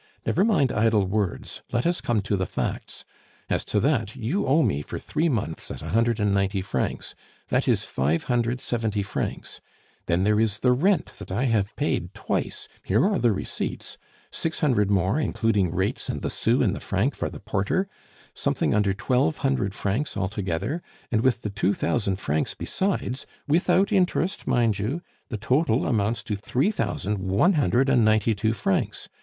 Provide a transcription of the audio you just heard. Never mind idle words. Let us come to the facts. As to that, you owe me for three months at a hundred and ninety francs that is five hundred seventy francs; then there is the rent that I have paid twice (here are the receipts), six hundred more, including rates and the sou in the franc for the porter something under twelve hundred francs altogether, and with the two thousand francs besides without interest, mind you the total amounts to three thousand one hundred and ninety two francs.